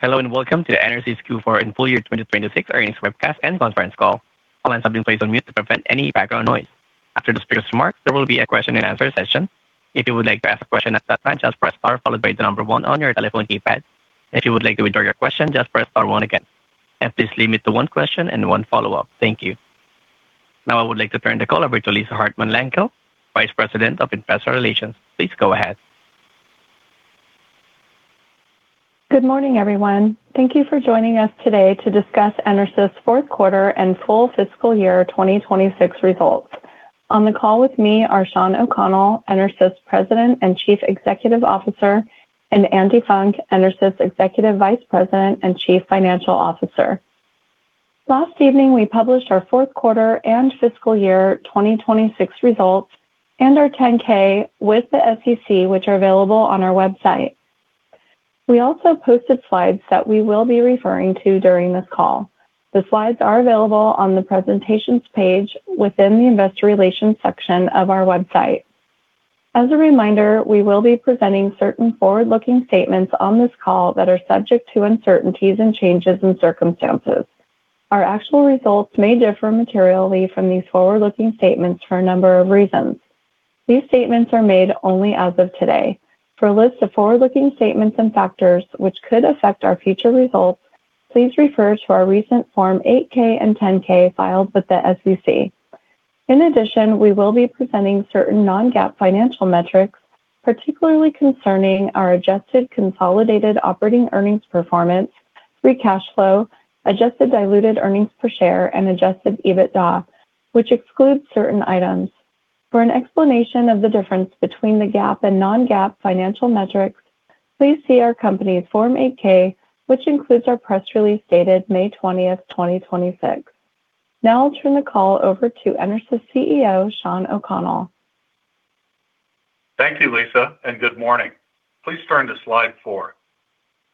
Hello, and welcome to the EnerSys Q4 and full year 2026 earnings webcast and conference call. All lines have been placed on mute to prevent any background noise. After the prepared remarks, there will be a question and answer session. If you would like to ask a question at that time, just press star followed by the number one on your telephone keypad. If you would like to withdraw your question, just press star one again, and please limit to one question and one follow-up. Thank you. Now I would like to turn the call over to Lisa Hartman Langell, Vice President of Investor Relations. Please go ahead. Good morning, everyone. Thank you for joining us today to discuss EnerSys' fourth quarter and full fiscal year 2026 results. On the call with me are Shawn O'Connell, EnerSys President and Chief Executive Officer, and Andi Funk, EnerSys Executive Vice President and Chief Financial Officer. Last evening, we published our fourth quarter and fiscal year 2026 results and our 10-K with the SEC, which are available on our website. We also posted slides that we will be referring to during this call. The slides are available on the presentations page within the investor relations section of our website. As a reminder, we will be presenting certain forward-looking statements on this call that are subject to uncertainties and changes in circumstances. Our actual results may differ materially from these forward-looking statements for a number of reasons. These statements are made only as of today. For a list of forward-looking statements and factors which could affect our future results, please refer to our recent Form 8-K and 10-K filed with the SEC. In addition, we will be presenting certain non-GAAP financial metrics, particularly concerning our adjusted consolidated operating earnings performance, free cash flow, adjusted diluted earnings per share, and adjusted EBITDA, which excludes certain items. For an explanation of the difference between the GAAP and non-GAAP financial metrics, please see our company's Form 8-K, which includes our press release dated May 20th, 2026. Now I'll turn the call over to EnerSys CEO, Shawn O'Connell. Thank you, Lisa. Good morning. Please turn to slide f.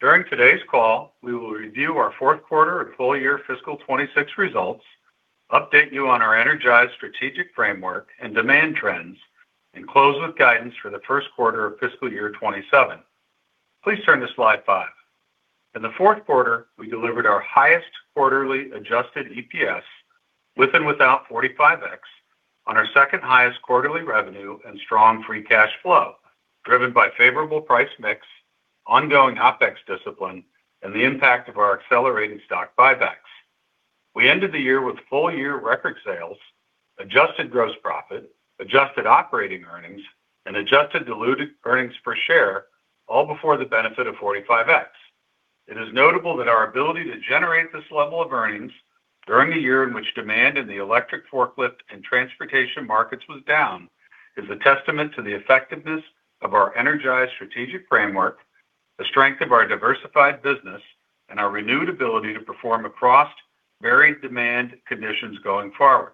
During today's call, we will review our fourth quarter and full year fiscal 2026 results, update you on our EnerSys strategic framework and demand trends, and close with guidance for the first quarter of fiscal year 2027. Please turn to slide five. In the fourth quarter, we delivered our highest quarterly adjusted EPS, with and without 45X, on our second highest quarterly revenue and strong free cash flow, driven by favorable price mix, ongoing OpEx discipline, and the impact of our accelerating stock buybacks. We ended the year with full-year record sales, adjusted gross profit, adjusted operating earnings, and adjusted diluted earnings per share, all before the benefit of 45X. It is notable that our ability to generate this level of earnings during a year in which demand in the electric forklift and transportation markets was down is a testament to the effectiveness of our EnerSys Strategic Framework, the strength of our diversified business, and our renewed ability to perform across varied demand conditions going forward.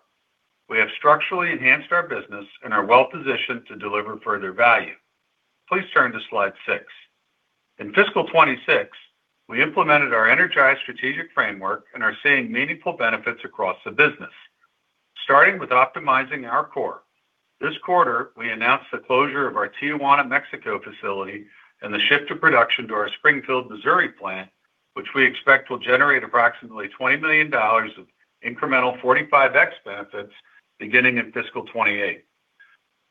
We have structurally enhanced our business and are well positioned to deliver further value. Please turn to slide six. In fiscal 2026, we implemented our EnerSys Strategic Framework and are seeing meaningful benefits across the business. Starting with optimizing our core. This quarter, we announced the closure of our Tijuana, Mexico facility and the shift of production to our Springfield, Missouri plant, which we expect will generate approximately $20 million of incremental 45X benefits beginning in fiscal 2028.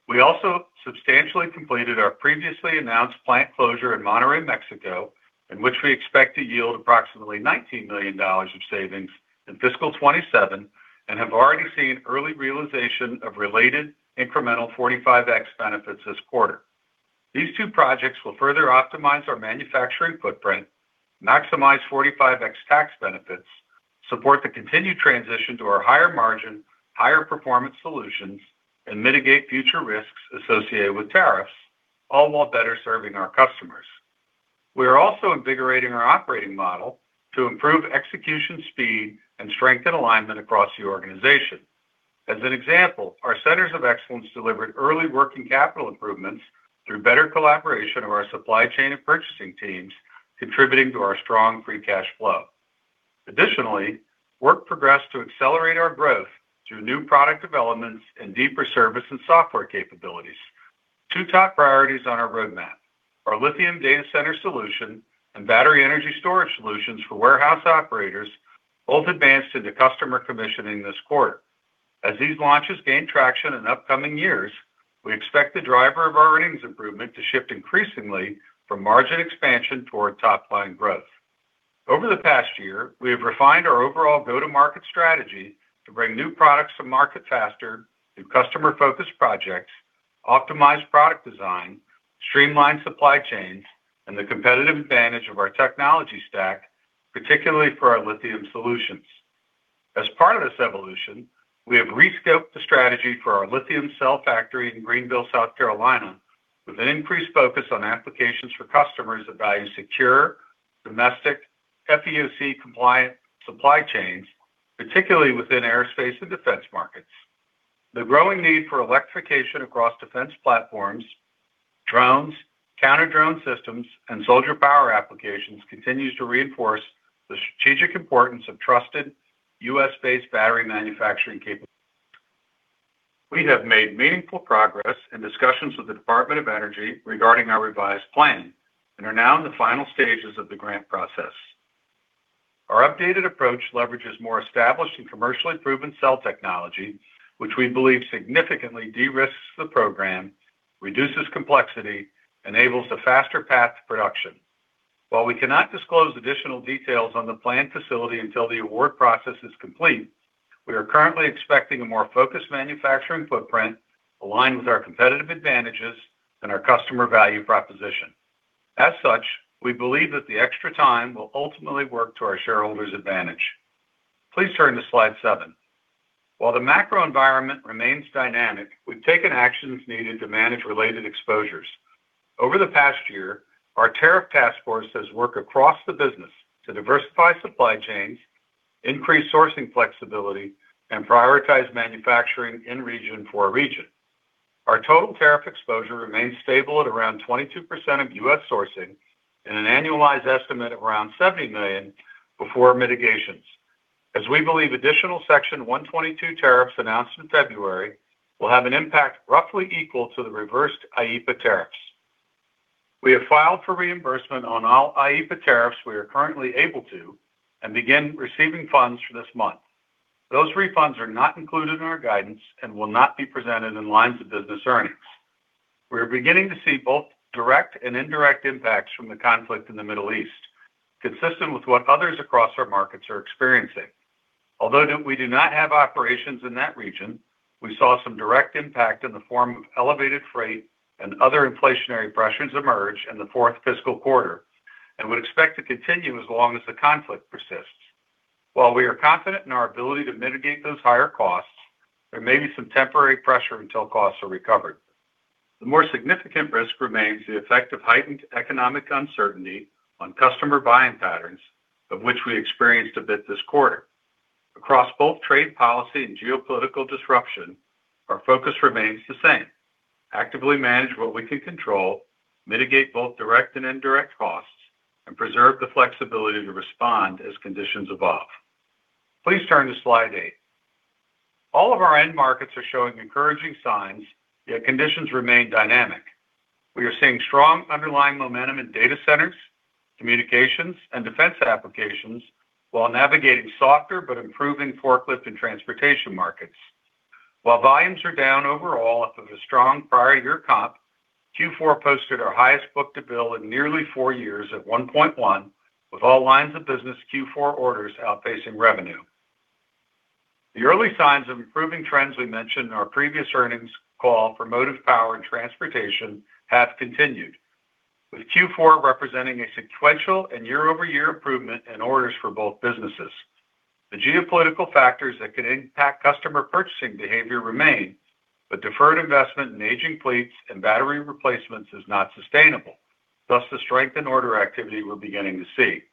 We also substantially completed our previously announced plant closure in Monterrey, Mexico, in which we expect to yield approximately $19 million of savings in fiscal 27, and have already seen early realization of related incremental 45X benefits this quarter. These two projects will further optimize our manufacturing footprint, maximize 45X tax benefits, support the continued transition to our higher margin, higher performance solutions, and mitigate future risks associated with tariffs, all while better serving our customers. We are also invigorating our operating model to improve execution speed and strengthen alignment across the organization. As an example, our centers of excellence delivered early working capital improvements through better collaboration of our supply chain and purchasing teams, contributing to our strong free cash flow. Additionally, work progressed to accelerate our growth through new product developments and deeper service and software capabilities. 2 top priorities on our roadmap, our lithium data center solution and battery energy storage solutions for warehouse operators, both advanced into customer commissioning this quarter. As these launches gain traction in upcoming years, we expect the driver of our earnings improvement to shift increasingly from margin expansion toward top-line growth. Over the past year, we have refined our overall go-to-market strategy to bring new products to market faster through customer-focused projects, optimized product design, streamlined supply chains, and the competitive advantage of our technology stack, particularly for our lithium solutions. As part of this evolution, we have re-scoped the strategy for our lithium cell factory in Greenville, South Carolina, with an increased focus on applications for customers that value secure, domestic, FEOC compliant supply chains, particularly within aerospace and defense markets. The growing need for electrification across defense platforms, drones, counter-drone systems, and soldier power applications continues to reinforce the strategic importance of trusted U.S. based battery manufacturing capabilities. We have made meaningful progress in discussions with the Department of Energy regarding our revised plan and are now in the final stages of the grant process. Our updated approach leverages more established and commercially proven cell technology, which we believe significantly de-risks the program, reduces complexity, enables a faster path to production. While we cannot disclose additional details on the planned facility until the award process is complete, we are currently expecting a more focused manufacturing footprint aligned with our competitive advantages and our customer value proposition. We believe that the extra time will ultimately work to our shareholders' advantage. Please turn to slide seven. The macro environment remains dynamic, we've taken actions needed to manage related exposures. Over the past year, our tariff task force has worked across the business to diversify supply chains, increase sourcing flexibility, and prioritize manufacturing in region for region. Our total tariff exposure remains stable at around 22% of U.S. sourcing and an annualized estimate of around $70 million before mitigations, as we believe additional Section 122 tariffs announced in February will have an impact roughly equal to the reversed IEEPA tariffs. We have filed for reimbursement on all IEEPA tariffs we are currently able to and begin receiving funds for this month. Those refunds are not included in our guidance and will not be presented in lines to business earnings. We are beginning to see both direct and indirect impacts from the conflict in the Middle East, consistent with what others across our markets are experiencing. Although we do not have operations in that region, we saw some direct impact in the form of elevated freight and other inflationary pressures emerge in the fourth fiscal quarter and would expect to continue as long as the conflict persists. While we are confident in our ability to mitigate those higher costs, there may be some temporary pressure until costs are recovered. The more significant risk remains the effect of heightened economic uncertainty on customer buying patterns, of which we experienced a bit this quarter. Across both trade policy and geopolitical disruption, our focus remains the same: actively manage what we can control, mitigate both direct and indirect costs, and preserve the flexibility to respond as conditions evolve. Please turn to slide 8. All of our end markets are showing encouraging signs, yet conditions remain dynamic. We are seeing strong underlying momentum in data centers, communications, and defense applications while navigating softer but improving forklift and transportation markets. While volumes are down overall off of a strong prior year comp, Q4 posted our highest book-to-bill in nearly four years at 1.1, with all lines of business Q4 orders outpacing revenue. The early signs of improving trends we mentioned in our previous earnings call for motive power and transportation have continued, with Q4 representing a sequential and year-over-year improvement in orders for both businesses. The geopolitical factors that could impact customer purchasing behavior remain, but deferred investment in aging fleets and battery replacements is not sustainable. Thus, the strength in order activity we're beginning to see.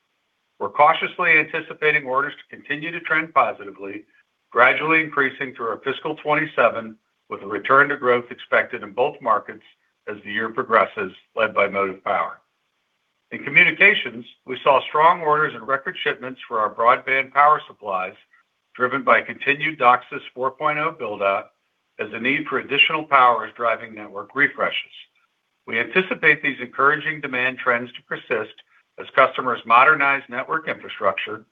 We're cautiously anticipating orders to continue to trend positively, gradually increasing through our fiscal 2027, with a return to growth expected in both markets as the year progresses, led by motive power. In communications, we saw strong orders and record shipments for our broadband power supplies, driven by continued DOCSIS 4.0 build-out, as the need for additional power is driving network refreshes. We anticipate these encouraging demand trends to persist as customers modernize network infrastructure,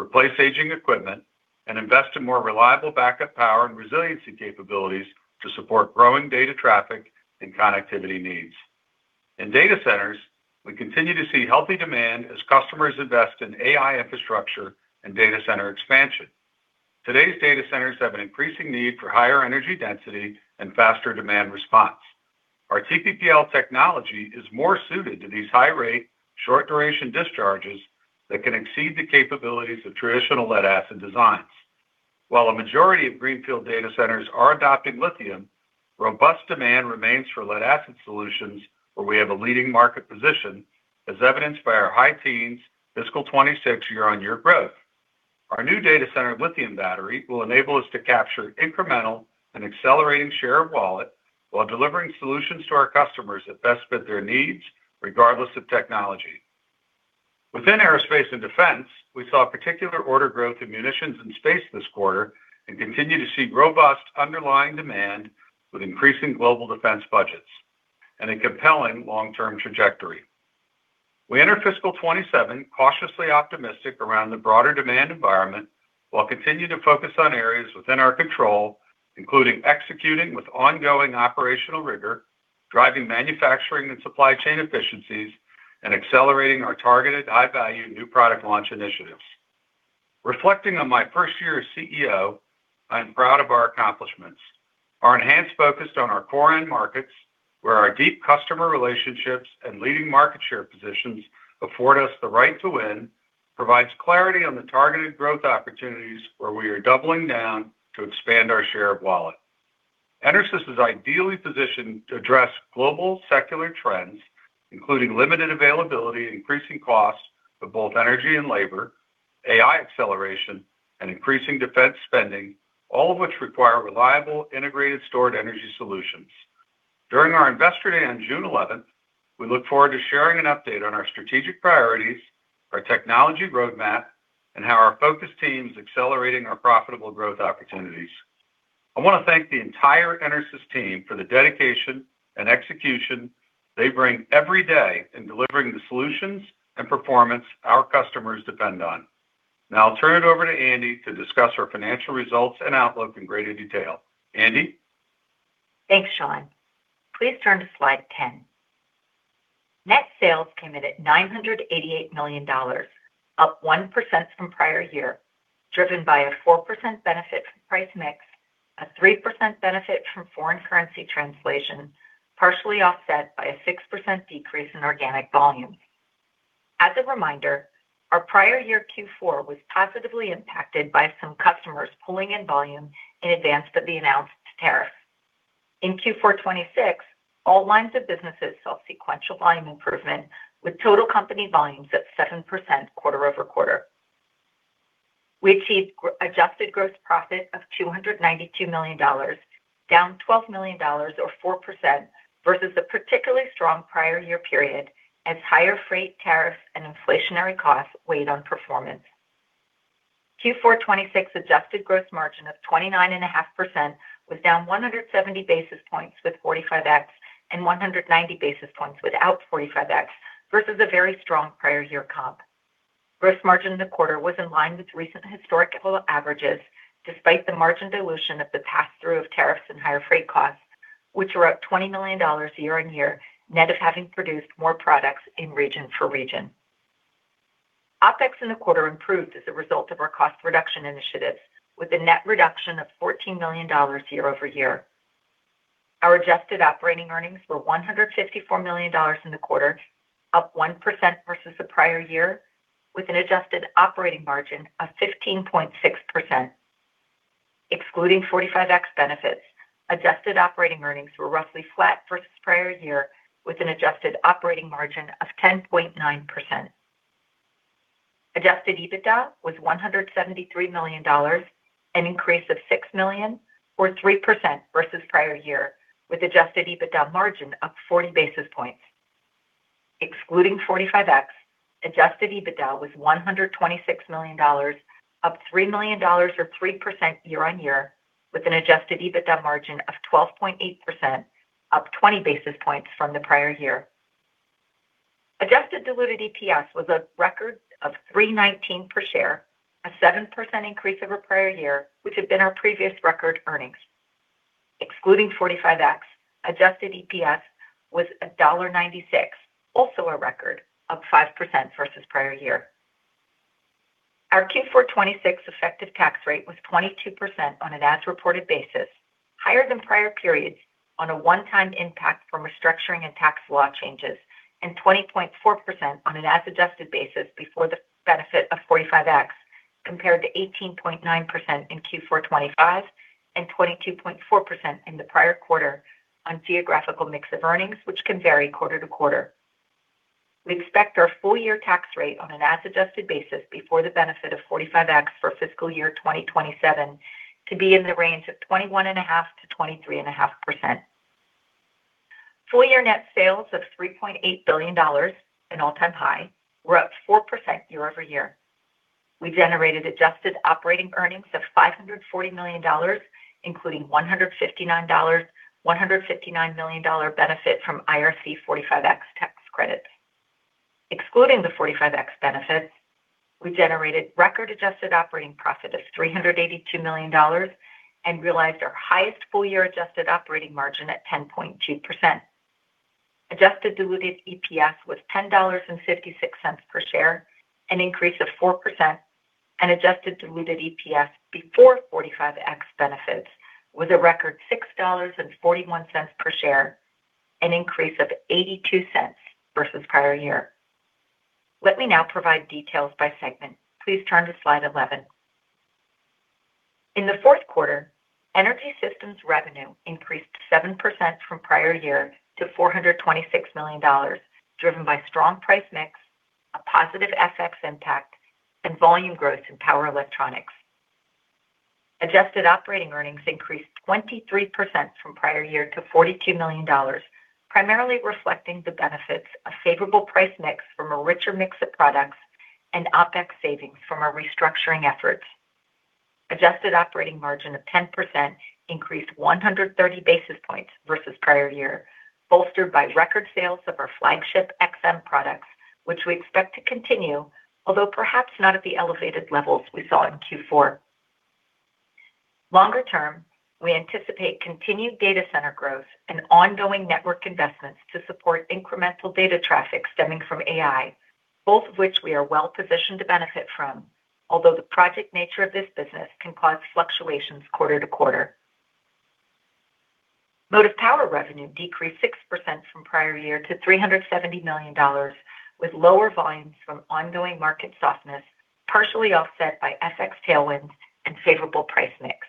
replace aging equipment, and invest in more reliable backup power and resiliency capabilities to support growing data traffic and connectivity needs. In data centers, we continue to see healthy demand as customers invest in AI infrastructure and data center expansion. Today's data centers have an increasing need for higher energy density and faster demand response. Our TPPL technology is more suited to these high-rate, short-duration discharges that can exceed the capabilities of traditional lead-acid designs. While a majority of greenfield data centers are adopting lithium, robust demand remains for lead-acid solutions where we have a leading market position, as evidenced by our high teens fiscal 2026 year-on-year growth. Our new data center lithium battery will enable us to capture incremental and accelerating share of wallet, while delivering solutions to our customers that best fit their needs, regardless of technology. Within aerospace and defense, we saw particular order growth in munitions and space this quarter and continue to see robust underlying demand with increasing global defense budgets and a compelling long-term trajectory. We enter fiscal 2027 cautiously optimistic around the broader demand environment, while continuing to focus on areas within our control, including executing with ongoing operational rigor, driving manufacturing and supply chain efficiencies, and accelerating our targeted high-value new product launch initiatives. Reflecting on my first year as CEO, I'm proud of our accomplishments. Our enhanced focus on our core end markets, where our deep customer relationships and leading market share positions afford us the right to win, provides clarity on the targeted growth opportunities where we are doubling down to expand our share of wallet. EnerSys is ideally positioned to address global secular trends, including limited availability and increasing costs of both energy and labor, AI acceleration, and increasing defense spending, all of which require reliable, integrated stored energy solutions. During our Investor Day on June 11th, we look forward to sharing an update on our strategic priorities, our technology roadmap, and how our focus team's accelerating our profitable growth opportunities. I want to thank the entire EnerSys team for the dedication and execution they bring every day in delivering the solutions and performance our customers depend on. Now I'll turn it over to Andi to discuss our financial results and outlook in greater detail. Andi? Thanks, Shawn. Please turn to slide 10. Net sales came in at $988 million, up 1% from prior year, driven by a 4% benefit from price mix, a 3% benefit from foreign currency translation, partially offset by a 6% decrease in organic volumes. As a reminder, our prior year Q4 was positively impacted by some customers pulling in volume in advance of the announced tariff. In Q4 2026, all lines of businesses saw sequential volume improvement, with total company volumes up 7% quarter-over-quarter. We achieved adjusted gross profit of $292 million, down $12 million or 4%, versus a particularly strong prior year period as higher freight tariffs and inflationary costs weighed on performance. Q4 2026 adjusted gross margin of 29.5% was down 170 basis points with 45X, and 190 basis points without 45X, versus a very strong prior year comp. Gross margin in the quarter was in line with recent historical averages, despite the margin dilution of the pass-through of tariffs and higher freight costs, which were up $20 million year-on-year, net of having produced more products in region for region. OpEx in the quarter improved as a result of our cost reduction initiatives, with a net reduction of $14 million year-over-year. Our adjusted operating earnings were $154 million in the quarter, up 1% versus the prior year, with an adjusted operating margin of 15.6%. Excluding 45X benefits, adjusted operating earnings were roughly flat versus the prior year, with an adjusted operating margin of 10.9%. Adjusted EBITDA was $173 million, an increase of $6 million or 3% versus the prior year, with adjusted EBITDA margin up 40 basis points. Excluding 45X, adjusted EBITDA was $126 million, up $3 million or 3% year-over-year, with an adjusted EBITDA margin of 12.8%, up 20 basis points from the prior year. Adjusted diluted EPS was a record of $3.19 per share, a 7% increase over prior year, which had been our previous record earnings. Excluding 45X, adjusted EPS was $1.96, also a record, up 5% versus the prior year. Our Q4 2026 effective tax rate was 22% on an as-reported basis, higher than prior periods on a one-time impact from restructuring and tax law changes, and 20.4% on an as adjusted basis before the benefit of 45X, compared to 18.9% in Q4 2025 and 22.4% in the prior quarter on geographical mix of earnings, which can vary quarter-to-quarter. We expect our full-year tax rate on an as adjusted basis before the benefit of 45X for fiscal year 2027 to be in the range of 21.5%-23.5%. Full-year net sales of $3.8 billion, an all-time high, were up 4% year-over-year. We generated adjusted operating earnings of $540 million, including $159 million benefit from IRC 45X tax credits. Excluding the 45X benefits, we generated record adjusted operating profit of $382 million and realized our highest full-year adjusted operating margin at 10.2%. Adjusted diluted EPS was $10.56 per share, an increase of 4%, and adjusted diluted EPS before 45X benefits was a record $6.41 per share, an increase of $0.82 versus the prior year. Let me now provide details by segment. Please turn to slide 11. In the fourth quarter, EnerSys revenue increased 7% from prior year to $426 million, driven by strong price mix, a positive FX impact, and volume growth in power electronics. Adjusted operating earnings increased 23% from prior year to $42 million, primarily reflecting the benefits of favorable price mix from a richer mix of products and OpEx savings from our restructuring efforts. Adjusted operating margin of 10% increased 130 basis points versus prior year, bolstered by record sales of our flagship XM products, which we expect to continue, although perhaps not at the elevated levels we saw in Q4. Longer term, we anticipate continued data center growth and ongoing network investments to support incremental data traffic stemming from AI, both of which we are well positioned to benefit from, although the project nature of this business can cause fluctuations quarter to quarter. Motive power revenue decreased 6% from prior year to $370 million, with lower volumes from ongoing market softness, partially offset by FX tailwinds and favorable price mix.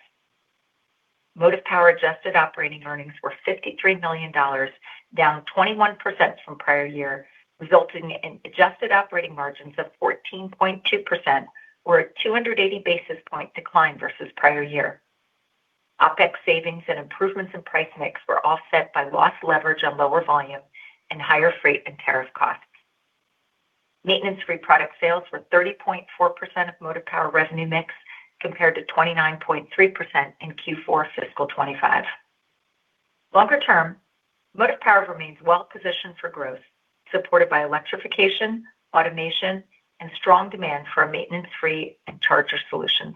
Motive power adjusted operating earnings were $53 million, down 21% from prior year, resulting in adjusted operating margins of 14.2%, or a 280 basis point decline versus prior year. OpEx savings and improvements in price mix were offset by lost leverage on lower volume and higher freight and tariff costs. Maintenance-free product sales were 30.4% of Motive Power revenue mix, compared to 29.3% in Q4 fiscal 2025. Longer term, Motive Power remains well-positioned for growth, supported by electrification, automation, and strong demand for our maintenance-free and charger solutions.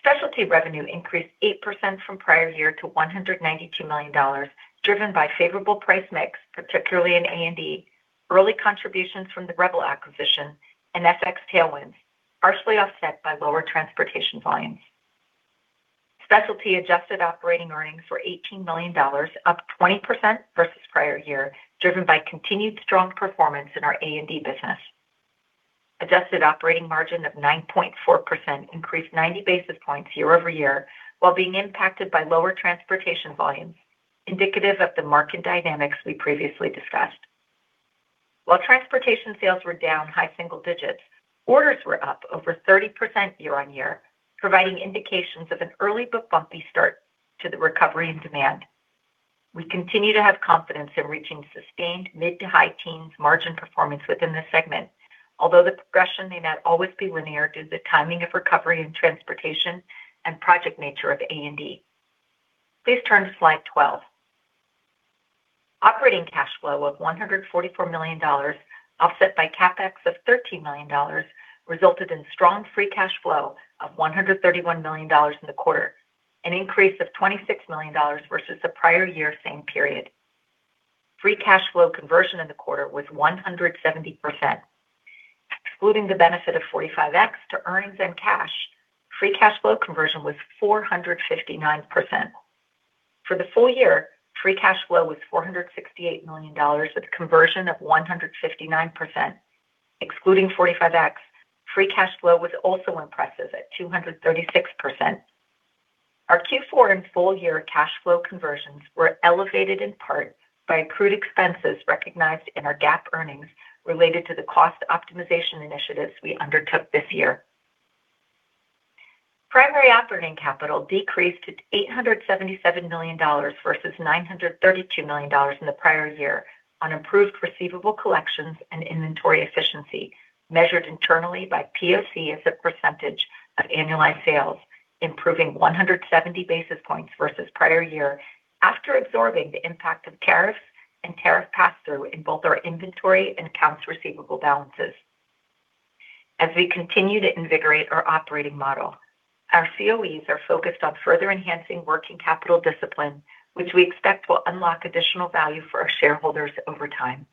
Specialty revenue increased 8% from prior year to $192 million, driven by favorable price mix, particularly in A&D, early contributions from the Rebel acquisition, and FX tailwinds, partially offset by lower transportation volumes. Specialty adjusted operating earnings were $18 million, up 20% versus prior year, driven by continued strong performance in our A&D business. Adjusted operating margin of 9.4% increased 90 basis points year-over-year while being impacted by lower transportation volumes, indicative of the market dynamics we previously discussed. Transportation sales were down high single digits, orders were up over 30% year-on-year, providing indications of an early but bumpy start to the recovery in demand. We continue to have confidence in reaching sustained mid to high teens margin performance within the segment, although the progression may not always be linear due to the timing of recovery in transportation and project nature of A&D. Please turn to slide 12. Operating cash flow of $144 million, offset by CapEx of $13 million, resulted in strong free cash flow of $131 million in the quarter, an increase of $26 million versus the prior year same period. Free cash flow conversion in the quarter was 170%. Excluding the benefit of 45X to earnings and cash, free cash flow conversion was 459%. For the full year, free cash flow was $468 million, with a conversion of 159%. Excluding 45X, free cash flow was also impressive at 236%. Our Q4 and full year cash flow conversions were elevated in part by accrued expenses recognized in our GAAP earnings related to the cost optimization initiatives we undertook this year. Primary operating capital decreased to $877 million versus $932 million in the prior year on improved receivable collections and inventory efficiency, measured internally by POC as a percentage of annualized sales, improving 170 basis points versus prior year after absorbing the impact of tariffs and tariff pass-through in both our inventory and accounts receivable balances. As we continue to invigorate our operating model, our COEs are focused on further enhancing working capital discipline, which we expect will unlock additional value for our shareholders over time.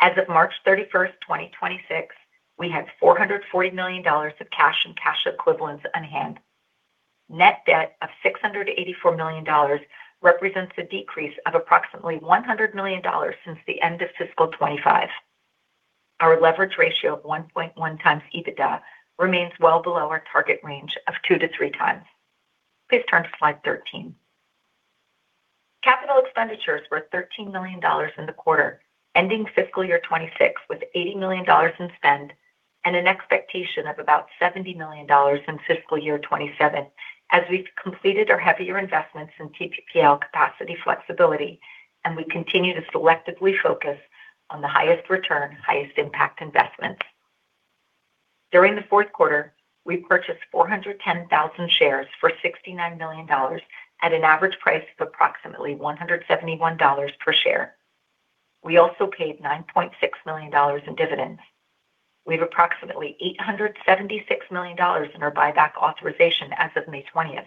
As of March 31st, 2026, we had $440 million of cash and cash equivalents on hand. Net debt of $684 million represents a decrease of approximately $100 million since the end of fiscal 2025. Our leverage ratio of 1.1 times EBITDA remains well below our target range of two to three times. Please turn to slide 13. Capital expenditures were $13 million in the quarter, ending fiscal year 2026 with $80 million in spend and an expectation of about $70 million in fiscal year 2027, as we've completed our heavier investments in TPPL capacity flexibility, and we continue to selectively focus on the highest return, highest impact investments. During the fourth quarter, we purchased 410,000 shares for $69 million at an average price of approximately $171 per share. We also paid $9.6 million in dividends. We have approximately $876 million in our buyback authorization as of May 20th.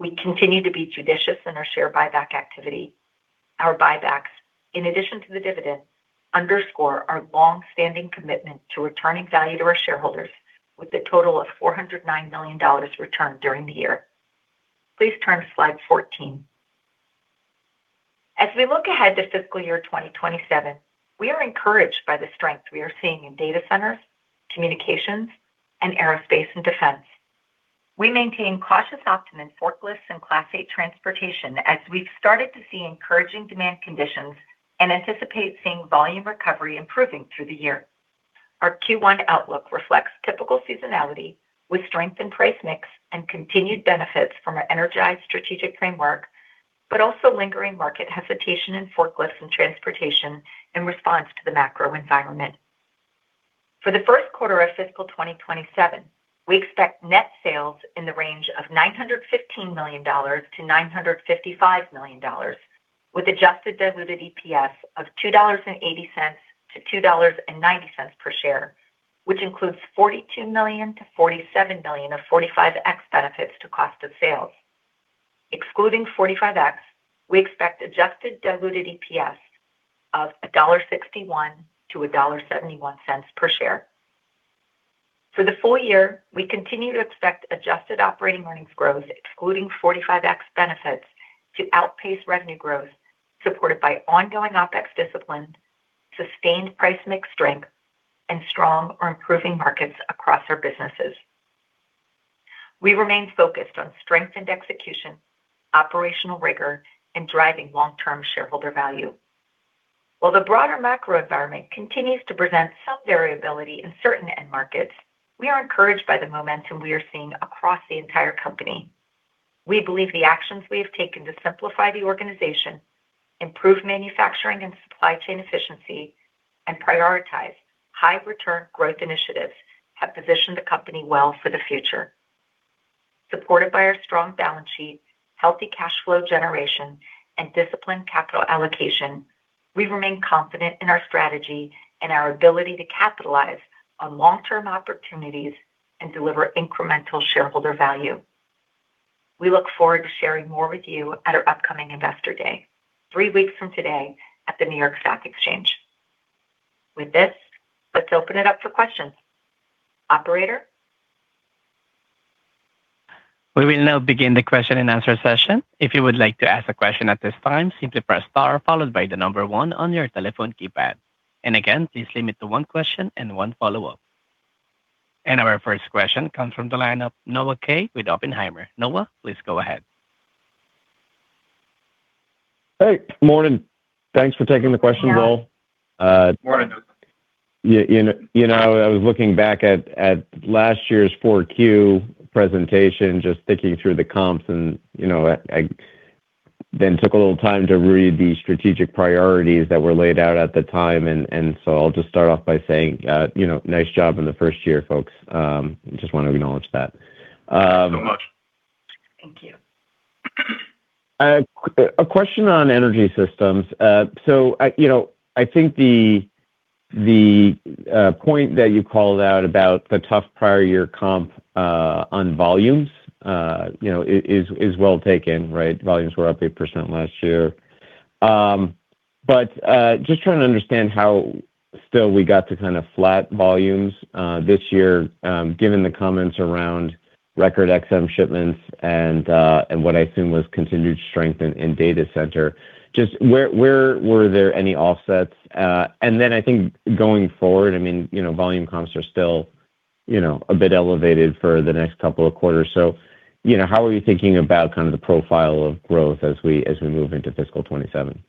We continue to be judicious in our share buyback activity. Our buybacks, in addition to the dividend, underscore our longstanding commitment to returning value to our shareholders with a total of $409 million returned during the year. Please turn to slide 14. As we look ahead to fiscal year 2027, we are encouraged by the strength we are seeing in data centers, communications, and aerospace and defense. We maintain cautious optimism in forklifts and Class 8 transportation as we've started to see encouraging demand conditions and anticipate seeing volume recovery improving through the year. Our Q1 outlook reflects typical seasonality with strength in price mix and continued benefits from our EnerSys Strategic Framework, but also lingering market hesitation in forklifts and transportation in response to the macro environment. For the first quarter of fiscal 2027, we expect net sales in the range of $915 million-$955 million, with adjusted diluted EPS of $2.80-$2.90 per share, which includes $42 million-$47 million of 45X benefits to cost of sales. Excluding 45X, we expect adjusted diluted EPS of $1.61-$1.71 per share. For the full year, we continue to expect adjusted operating earnings growth excluding 45X benefits to outpace revenue growth supported by ongoing OPEX discipline, sustained price mix strength, and strong or improving markets across our businesses. We remain focused on strengthened execution, operational rigor, and driving long-term shareholder value. While the broader macro environment continues to present some variability in certain end markets, we are encouraged by the momentum we are seeing across the entire company. We believe the actions we have taken to simplify the organization, improve manufacturing and supply chain efficiency, and prioritize high return growth initiatives have positioned the company well for the future. Supported by our strong balance sheet, healthy cash flow generation, and disciplined capital allocation, we remain confident in our strategy and our ability to capitalize on long-term opportunities and deliver incremental shareholder value. We look forward to sharing more with you at our upcoming Investor Day, three weeks from today at the New York Stock Exchange. With this, let's open it up for questions. Operator? We will now begin the question and answer session. If you would like to ask a question at this time, simply press star, followed by one on your telephone keypad. Again, please limit to one question and one follow-up. Our first question comes from the line of Noah Kaye with Oppenheimer. Noah, please go ahead. Hey. Morning. Thanks for taking the question. Yeah. Well. Morning, Noah. I was looking back at last year's 4Q presentation, just thinking through the comps, and I then took a little time to read the strategic priorities that were laid out at the time. I'll just start off by saying, nice job in the first year, folks. Just want to acknowledge that. Thank you so much. Thank you. A question on EnerSys. I think the point that you called out about the tough prior year comp on volumes is well taken, right? Volumes were up 8% last year. Just trying to understand how still we got to kind of flat volumes this year, given the comments around record XM shipments and what I assume was continued strength in data center. Just were there any offsets? I think going forward, volume comps are still a bit elevated for the next couple of quarters. How are you thinking about the profile of growth as we move into fiscal 2027?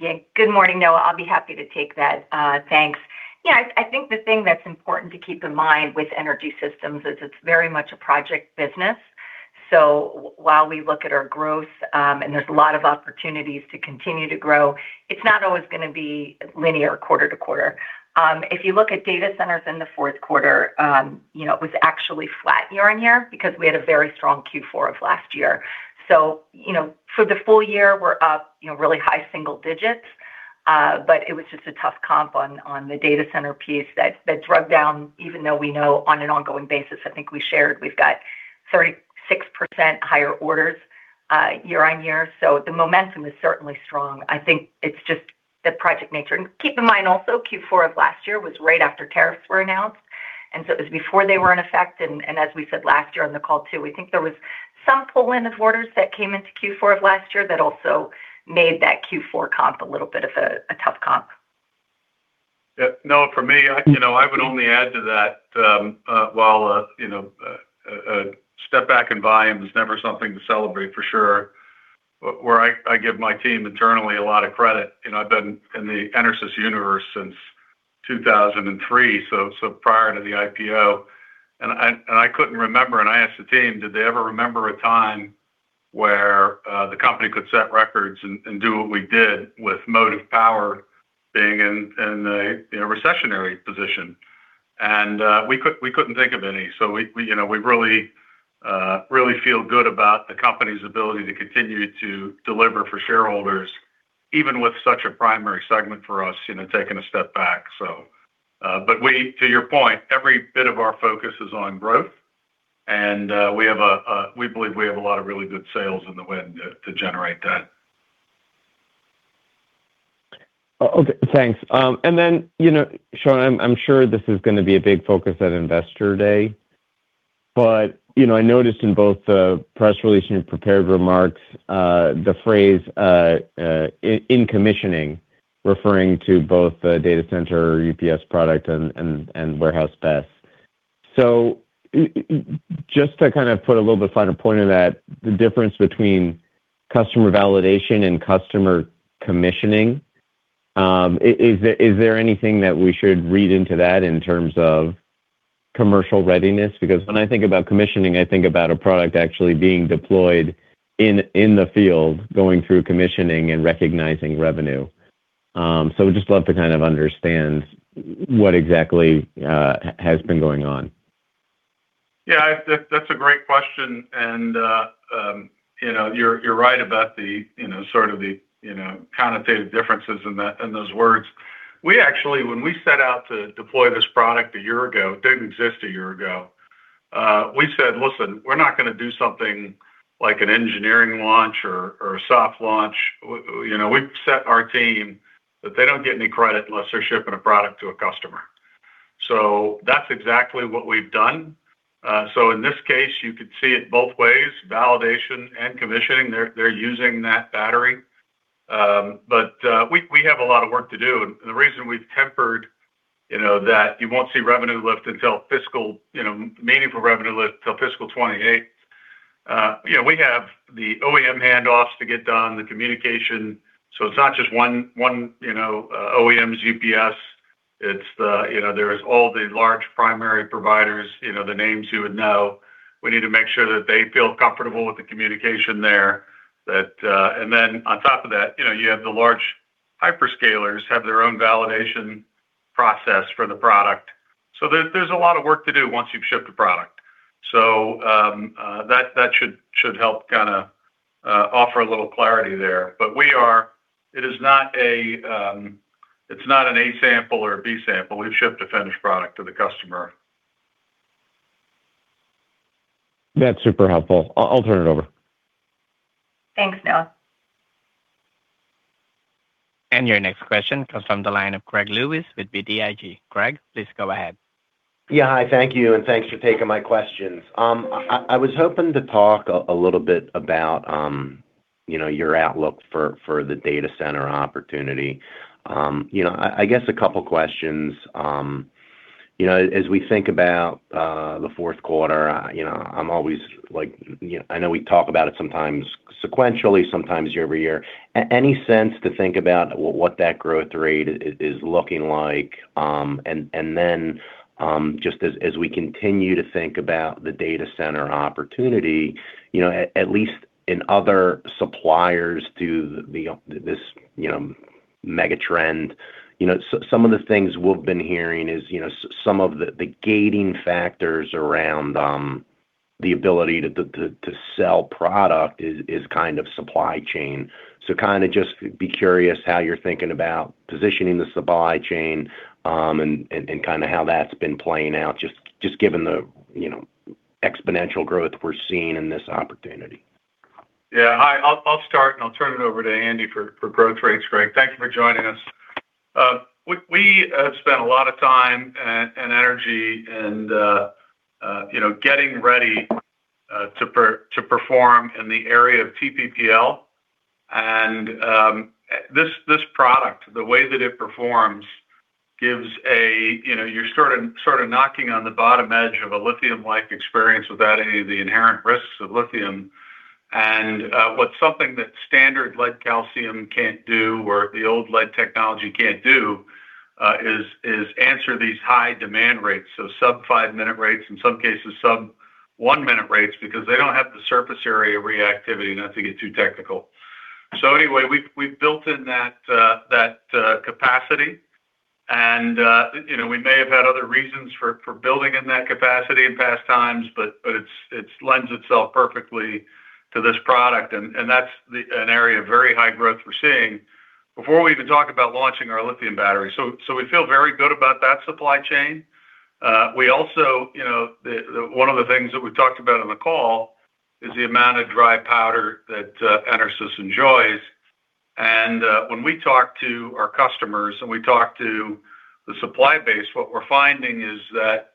Yeah. Good morning, Noah. I'll be happy to take that. Thanks. Yeah, I think the thing that's important to keep in mind with energy systems is it's very much a project business. While we look at our growth, and there's a lot of opportunities to continue to grow, it's not always going to be linear quarter-to-quarter. If you look at data centers in the fourth quarter, it was actually flat year-on-year because we had a very strong Q4 of last year. For the full year, we're up really high single digits. It was just a tough comp on the data center piece that drug down, even though we know on an ongoing basis, I think we shared, we've got 36% higher orders year-on-year. The momentum is certainly strong. I think it's just the project nature. Keep in mind also, Q4 of last year was right after tariffs were announced, and so it was before they were in effect. As we said last year on the call too, we think there was some pull in of orders that came into Q4 of last year that also made that Q4 comp a little bit of a tough comp. Yeah. Noah, for me, I would only add to that, while a step back in volume is never something to celebrate for sure, where I give my team internally a lot of credit, I've been in the EnerSys universe since 2003, so prior to the IPO, and I couldn't remember, and I asked the team, did they ever remember a time where the company could set records and do what we did with motive power being in a recessionary position? We couldn't think of any. We really feel good about the company's ability to continue to deliver for shareholders, even with such a primary segment for us, taking a step back. To your point, every bit of our focus is on growth, and we believe we have a lot of really good sails in the wind to generate that. Okay. Thanks. Shawn, I'm sure this is going to be a big focus at Investor Day, but I noticed in both the press release and your prepared remarks, the phrase "in commissioning," referring to both the data center UPS product and warehouse BESS. Just to kind of put a little bit finer point on that, the difference between customer validation and customer commissioning, is there anything that we should read into that in terms of commercial readiness? Because when I think about commissioning, I think about a product actually being deployed in the field, going through commissioning and recognizing revenue. Would just love to kind of understand what exactly has been going on. Yeah. That's a great question, and you're right about the sort of the connotative differences in those words. We actually, when we set out to deploy this product 1 year ago, it didn't exist 1 year ago. We said, "Listen, we're not going to do something like an engineering launch or a soft launch." We've set our team that they don't get any credit unless they're shipping a product to a customer. That's exactly what we've done. In this case, you could see it both ways, validation and commissioning. They're using that battery. We have a lot of work to do. The reason we've tempered that you won't see meaningful revenue lift until fiscal 2028. We have the OEM handoffs to get done, the communication. It's not just one OEM UPS, there is all the large primary providers, the names you would know. We need to make sure that they feel comfortable with the communication there. Then on top of that, you have the large hyperscalers have their own validation process for the product. There's a lot of work to do once you've shipped a product. That should help offer a little clarity there. It's not an A sample or a B sample. We've shipped a finished product to the customer. That's super helpful. I'll turn it over. Thanks, Noah Kaye. Your next question comes from the line of Greg Lewis with BTIG. Greg, please go ahead. Yeah. Hi, thank you, and thanks for taking my questions. I was hoping to talk a little bit about your outlook for the data center opportunity. I guess a couple of questions. As we think about the fourth quarter, I know we talk about it sometimes sequentially, sometimes year-over-year. Any sense to think about what that growth rate is looking like? Just as we continue to think about the data center opportunity, at least in other suppliers to this mega trend, some of the things we've been hearing is some of the gating factors around the ability to sell product is kind of supply chain. Just be curious how you're thinking about positioning the supply chain, and how that's been playing out, just given the exponential growth we're seeing in this opportunity. Yeah. Hi, I'll start and I'll turn it over to Andi for growth rates, Greg. Thank you for joining us. We have spent a lot of time and energy in getting ready to perform in the area of TPPL. This product, the way that it performs, you're sort of knocking on the bottom edge of a lithium-like experience without any of the inherent risks of lithium. What's something that standard lead-calcium can't do, or the old lead technology can't do, is answer these high demand rates. Sub five minute rates, in some cases, sub one minute rates, because they don't have the surface area reactivity, not to get too technical. Anyway, we've built in that capacity, and we may have had other reasons for building in that capacity in past times, but it lends itself perfectly to this product. That's an area of very high growth we're seeing before we even talk about launching our lithium battery. We feel very good about that supply chain. One of the things that we've talked about on the call is the amount of dry powder that EnerSys enjoys. When we talk to our customers and we talk to the supply base, what we're finding is that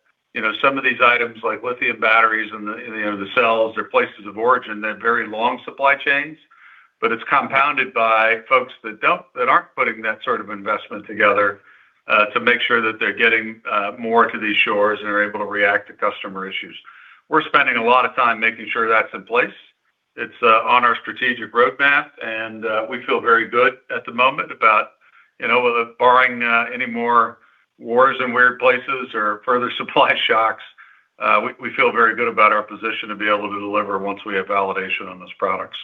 some of these items, like lithium batteries and the cells, they're places of origin that have very long supply chains. It's compounded by folks that aren't putting that sort of investment together to make sure that they're getting more to these shores and are able to react to customer issues. We're spending a lot of time making sure that's in place. It's on our strategic roadmap. We feel very good at the moment about, barring any more wars in weird places or further supply shocks, we feel very good about our position to be able to deliver once we have validation on those products.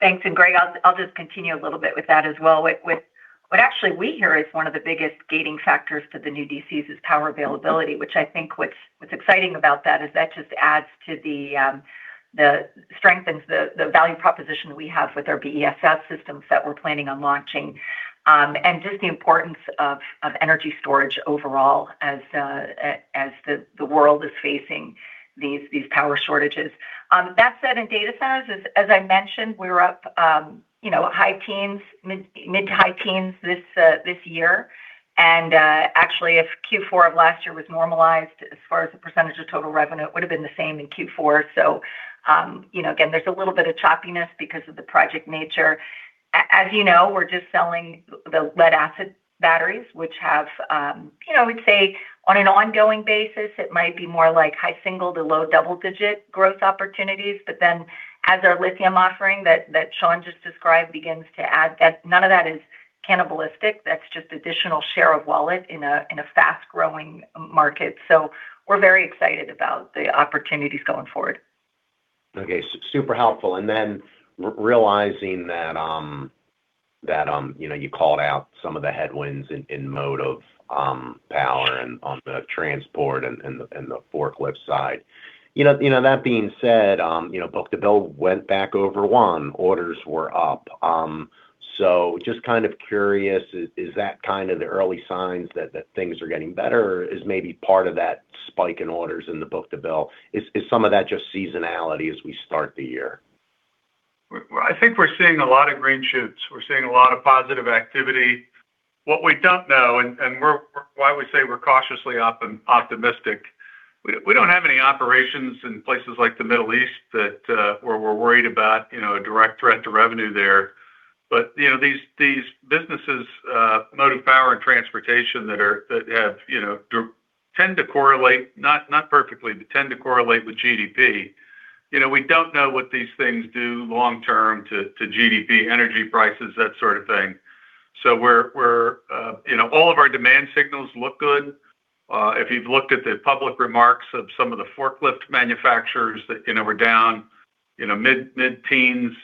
Thanks. Greg, I'll just continue a little bit with that as well. What actually we hear is one of the biggest gating factors to the new DCs is power availability, which I think what's exciting about that is that just adds to the strength and the value proposition we have with our BESS systems that we're planning on launching. Just the importance of energy storage overall as the world is facing these power shortages. That said, in data centers, as I mentioned, we were up mid to high teens this year. Actually, if Q4 of last year was normalized as far as the percentage of total revenue, it would've been the same in Q4. Again, there's a little bit of choppiness because of the project nature. As you know, we're just selling the lead-acid batteries, which have, I would say, on an ongoing basis, it might be more like high single to low double digit growth opportunities. As our lithium offering that Shawn just described begins to add, none of that is cannibalistic. That's just additional share of wallet in a fast-growing market. We're very excited about the opportunities going forward. Okay. Super helpful. Realizing that you called out some of the headwinds in Motive Power and on the transport and the forklift side. That being said, book-to-bill went back over 1, orders were up. Just kind of curious, is that kind of the early signs that things are getting better? Or is maybe part of that spike in orders in the book-to-bill, is some of that just seasonality as we start the year? I think we're seeing a lot of green shoots. We're seeing a lot of positive activity. What we don't know, and why we say we're cautiously optimistic. We don't have any operations in places like the Middle East that where we're worried about a direct threat to revenue there. These businesses, motive power, and transportation that tend to correlate, not perfectly, but tend to correlate with GDP. We don't know what these things do long-term to GDP, energy prices, that sort of thing. All of our demand signals look good. If you've looked at the public remarks of some of the forklift manufacturers that were down mid-teens,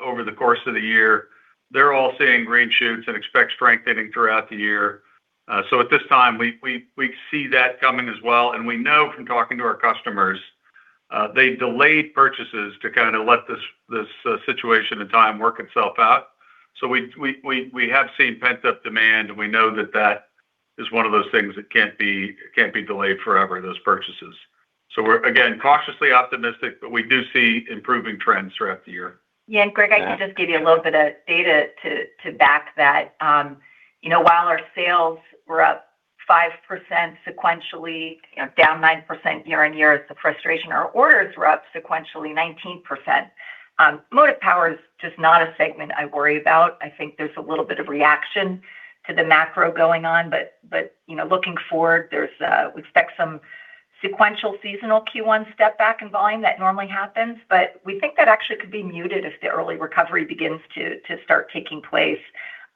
over the course of the year, they're all seeing green shoots and expect strengthening throughout the year. At this time, we see that coming as well. We know from talking to our customers, they've delayed purchases to kind of let this situation and time work itself out. We have seen pent-up demand, and we know that is one of those things that can't be delayed forever, those purchases. We're, again, cautiously optimistic, but we do see improving trends throughout the year. Yeah. Greg, I can just give you a little bit of data to back that. While our sales were up 5% sequentially, down 9% year-on-year. It's a frustration. Our orders were up sequentially 19%. Motive power is just not a segment I worry about. I think there's a little bit of reaction to the macro going on. Looking forward, we expect some sequential seasonal Q1 step back in volume that normally happens. We think that actually could be muted if the early recovery begins to start taking place.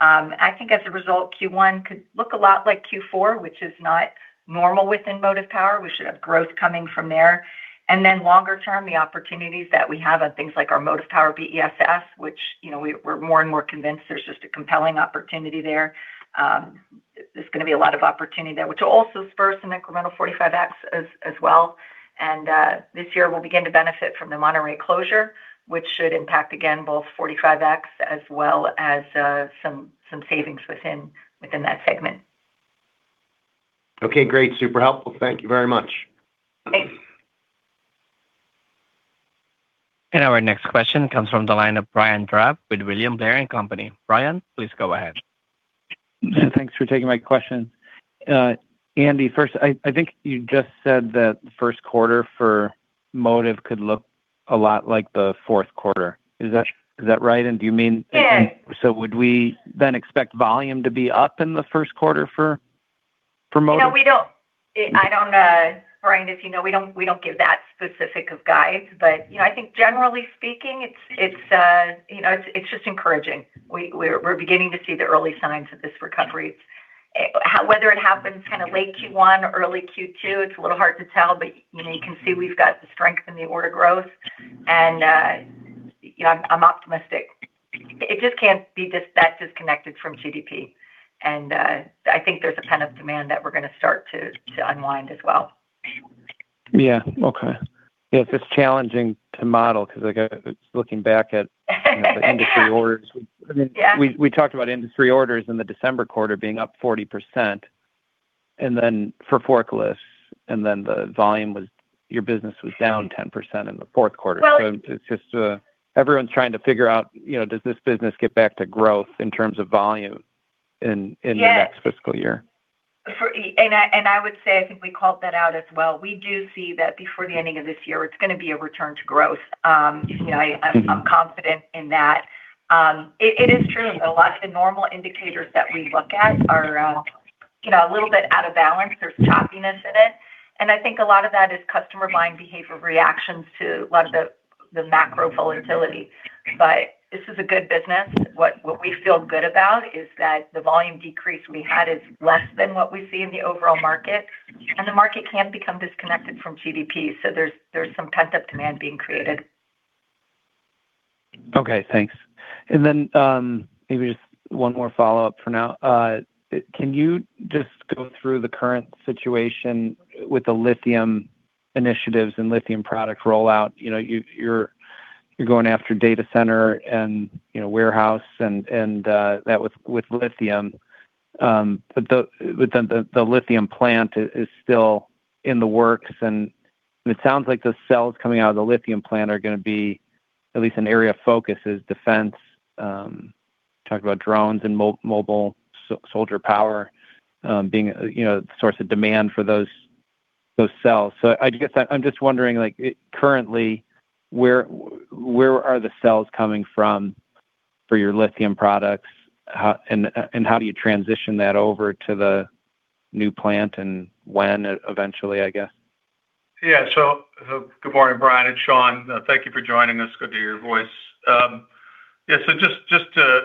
I think as a result, Q1 could look a lot like Q4, which is not normal within motive power. We should have growth coming from there. Longer term, the opportunities that we have on things like our motive power BESS, which we're more and more convinced there's just a compelling opportunity there. There's going to be a lot of opportunity there, which will also spur some incremental 45X as well. This year we'll begin to benefit from the Monterrey closure, which should impact, again, both 45X as well as some savings within that segment. Okay, great. Super helpful. Thank you very much. Thanks. Our next question comes from the line of Brian Drab with William Blair & Company. Brian, please go ahead. Thanks for taking my question. Andi, first, I think you just said that first quarter for Motive could look a lot like the fourth quarter. Is that right? Do you mean- Yeah Would we then expect volume to be up in the first quarter for Motive? Brian, as you know, we don't give that specific of guide. I think generally speaking, it's just encouraging. We're beginning to see the early signs of this recovery. Whether it happens kind of late Q1 or early Q2, it's a little hard to tell, you can see we've got the strength in the order growth. I'm optimistic. It just can't be that disconnected from GDP. I think there's a kind of demand that we're going to start to unwind as well. Yeah. Okay. Yeah, it's just challenging to model because looking back the industry orders. Yeah. We talked about industry orders in the December quarter being up 40%, and then for forklifts, and then your business was down 10% in the fourth quarter. Well- It's just everyone's trying to figure out, does this business get back to growth in terms of volume. Yes the next fiscal year. I would say, I think we called that out as well. We do see that before the ending of this year, it's going to be a return to growth. I'm confident in that. It is true, a lot of the normal indicators that we look at are a little bit out of balance. There's choppiness in it. I think a lot of that is customer buying behavior reactions to a lot of the macro volatility. This is a good business. What we feel good about is that the volume decrease we had is less than what we see in the overall market, and the market can become disconnected from GDP. There's some pent-up demand being created. Okay, thanks. Maybe just one more follow-up for now. Can you just go through the current situation with the lithium initiatives and lithium product rollout? You're going after data center and warehouse and that with lithium. The lithium plant is still in the works, and it sounds like the cells coming out of the lithium plant are going to be, at least an area of focus is defense. Talked about drones and mobile soldier power, being a source of demand for those cells. I guess I'm just wondering like, currently, where are the cells coming from for your lithium products? How do you transition that over to the new plant and when, eventually, I guess? Good morning, Brian. It's Shawn. Thank you for joining us. Good to hear your voice. Just to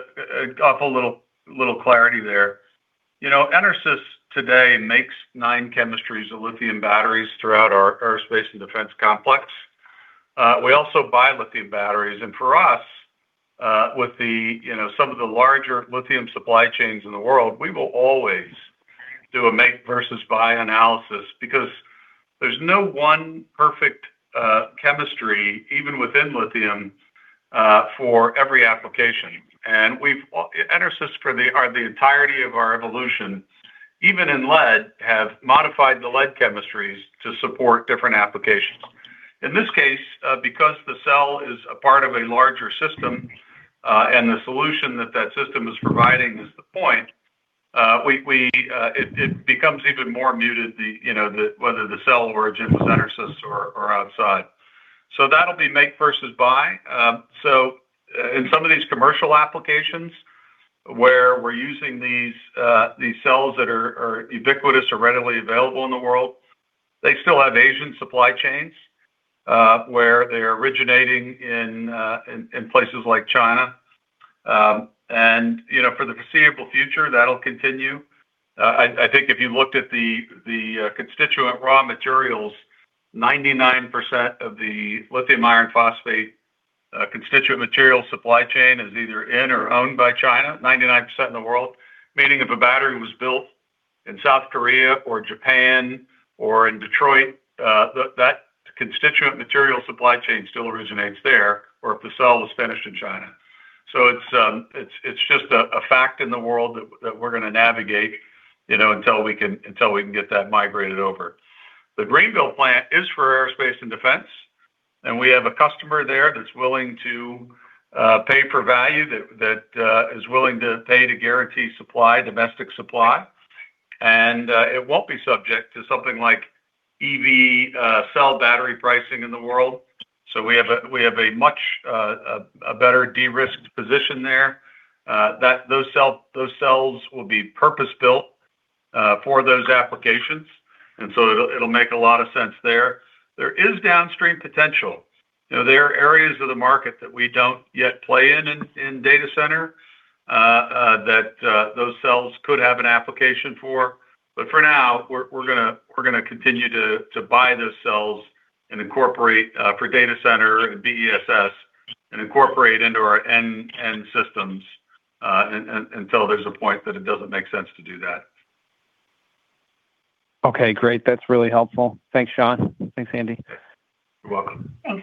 offer a little clarity there. EnerSys today makes nine chemistries of lithium batteries throughout our aerospace and defense complex. We also buy lithium batteries. For us, with some of the larger lithium supply chains in the world, we will always do a make versus buy analysis because there's no one perfect chemistry, even within lithium, for every application. We've, EnerSys, for the entirety of our evolution, even in lead, have modified the lead chemistries to support different applications. In this case, because the cell is a part of a larger system, and the solution that system is providing is the point. It becomes even more muted, whether the cell origin was EnerSys or outside. That'll be make versus buy. In some of these commercial applications where we're using these cells that are ubiquitous or readily available in the world, they still have Asian supply chains, where they're originating in places like China. For the foreseeable future, that'll continue. I think if you looked at the constituent raw materials, 99% of the lithium iron phosphate constituent material supply chain is either in or owned by China, 99% in the world. Meaning if a battery was built in South Korea or Japan or in Detroit, that constituent material supply chain still originates there, or if a cell was finished in China. It's just a fact in the world that we're going to navigate until we can get that migrated over. The Greenville plant is for aerospace and defense. We have a customer there that's willing to pay for value, that is willing to pay to guarantee domestic supply. It won't be subject to something like EV cell battery pricing in the world. We have a much better de-risked position there. Those cells will be purpose-built for those applications. It'll make a lot of sense there. There is downstream potential. There are areas of the market that we don't yet play in in data center, that those cells could have an application for. For now, we're going to continue to buy those cells and incorporate for data center and BESS, and incorporate into our end systems, until there's a point that it doesn't make sense to do that. Okay, great. That's really helpful. Thanks, Shawn. Thanks, Andi. You're welcome. Brian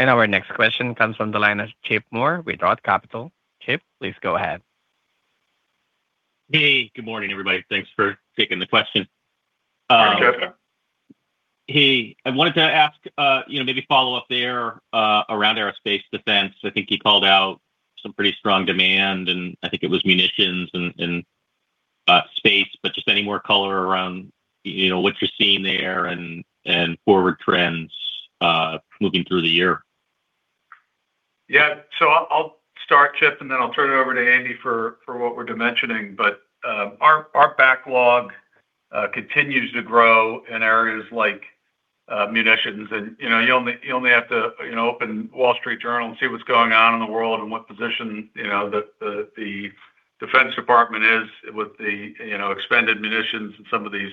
Drab. Our next question comes from the line of Chip Moore with Roth Capital. Chip, please go ahead. Hey, good morning, everybody. Thanks for taking the question. Morning, Chip. Hey, I wanted to ask, maybe follow up there around aerospace defense. I think you called out some pretty strong demand, and I think it was munitions and space, but just any more color around what you're seeing there and forward trends moving through the year. Yeah. I'll start, Chip, and then I'll turn it over to Andi for what we're dimensioning. Our backlog continues to grow in areas like munitions, and you only have to open Wall Street Journal and see what's going on in the world and what position the Department of Defense is with the expended munitions and some of these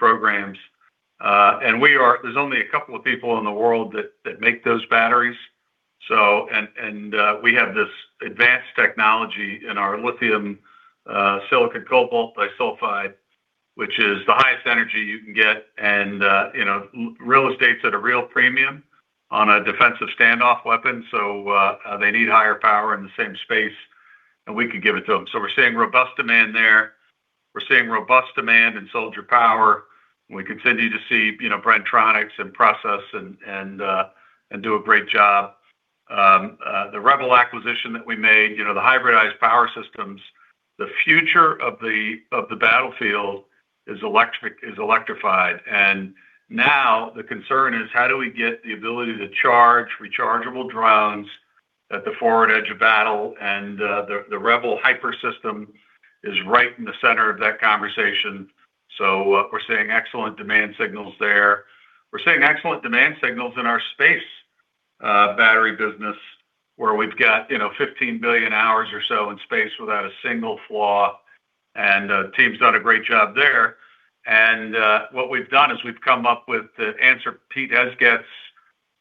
programs. There's only a couple of people in the world that make those batteries. We have this advanced technology in our lithium silicon cobalt disulfide, which is the highest energy you can get, and real estate's at a real premium on a defensive standoff weapon. They need higher power in the same space, and we can give it to them. We're seeing robust demand there. We're seeing robust demand in soldier power. We continue to see Bren-Tronics in process and do a great job. The Rebel acquisition that we made, the hybridized power systems, the future of the battlefield is electrified. Now the concern is how do we get the ability to charge rechargeable drones at the forward edge of battle? The Rebel Hybrid System is right in the center of that conversation. We're seeing excellent demand signals there. We're seeing excellent demand signals in our space battery business, where we've got 15 billion hours or so in space without a single flaw. The team's done a great job there. What we've done is we've come up with the answer, Pete Esget's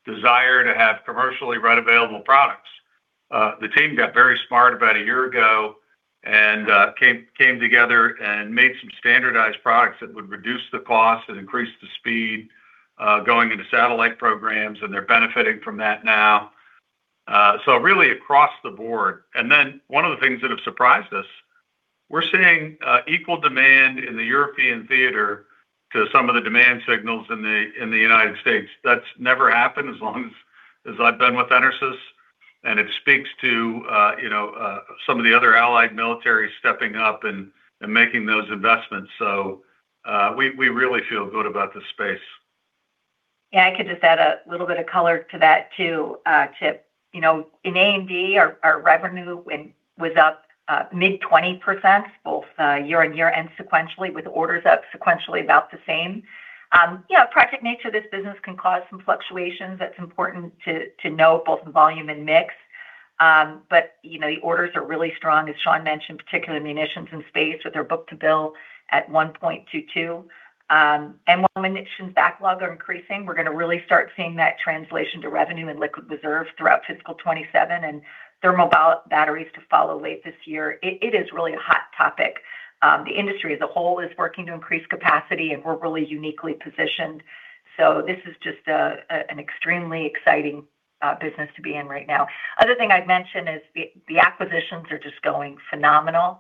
desire to have commercially right available products. The team got very smart about a year ago and came together and made some standardized products that would reduce the cost and increase the speed going into satellite programs, and they're benefiting from that now. Really across the board. One of the things that have surprised us, we're seeing equal demand in the European theater to some of the demand signals in the United States. That's never happened as long as I've been with EnerSys, and it speaks to some of the other allied military stepping up and making those investments. We really feel good about this space. Yeah, I could just add a little bit of color to that too, Chip. In A&D, our revenue was up mid-20%, both year-over-year and sequentially, with orders up sequentially about the same. Project nature of this business can cause some fluctuations. That is important to know both in volume and mix. The orders are really strong, as Shawn mentioned, particularly munitions and space with their book-to-bill at 1.22. While munitions backlog are increasing, we are going to really start seeing that translation to revenue and liquid reserve throughout fiscal 2027, and thermal batteries to follow late this year. It is really a hot topic. The industry as a whole is working to increase capacity, and we are really uniquely positioned. This is just an extremely exciting business to be in right now. Other thing I'd mention is the acquisitions are just going phenomenal.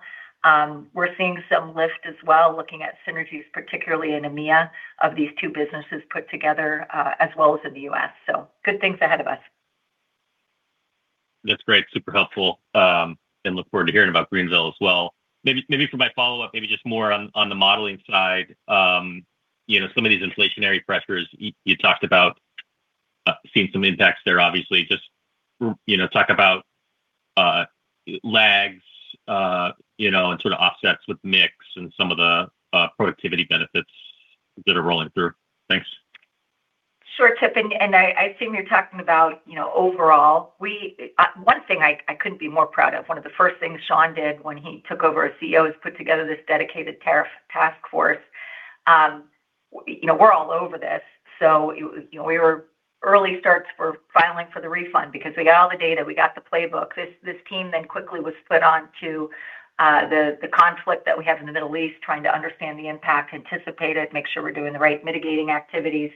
We're seeing some lift as well, looking at synergies, particularly in EMEA, of these two businesses put together, as well as in the U.S. Good things ahead of us. That's great, super helpful. Look forward to hearing about Greenville as well. For my follow-up, just more on the modeling side. Some of these inflationary pressures you talked about, seeing some impacts there, obviously. Just talk about lags and sort of offsets with mix and some of the productivity benefits that are rolling through. Thanks. Sure, Chip. I assume you're talking about overall. One thing I couldn't be more proud of, one of the first things Shawn did when he took over as CEO is put together this dedicated tariff task force. We're all over this. We were early starts for filing for the refund because we got all the data, we got the playbook. This team quickly was put onto the conflict that we have in the Middle East, trying to understand the impact, anticipate it, make sure we're doing the right mitigating activities.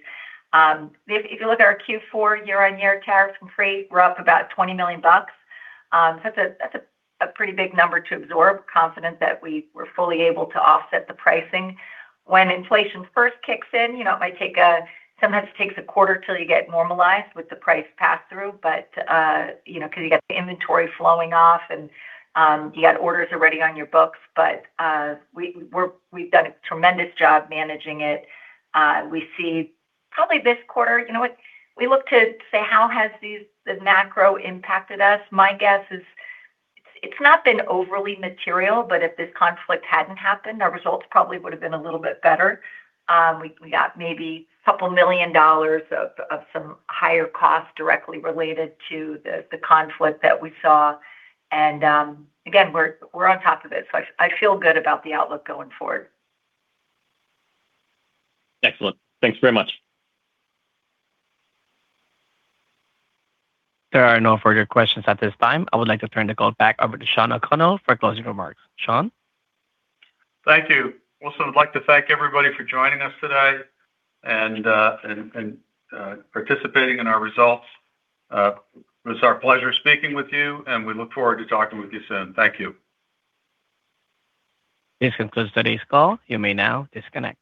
If you look at our Q4 year-on-year tariffs from freight, we're up about $20 million. That's a pretty big number to absorb. Confident that we were fully able to offset the pricing. When inflation first kicks in, it sometimes takes a quarter till you get normalized with the price pass-through, because you got the inventory flowing off, and you got orders already on your books. We've done a tremendous job managing it. We see probably this quarter, you know what? We look to say, how has the macro impacted us? My guess is it's not been overly material, but if this conflict hadn't happened, our results probably would've been a little bit better. We got maybe a couple million dollars of some higher costs directly related to the conflict that we saw. Again, we're on top of it, so I feel good about the outlook going forward. Excellent. Thanks very much. There are no further questions at this time. I would like to turn the call back over to Shawn O'Connell for closing remarks. Shawn? Thank you. I'd like to thank everybody for joining us today and participating in our results. It was our pleasure speaking with you, and we look forward to talking with you soon. Thank you. This concludes today's call. You may now disconnect.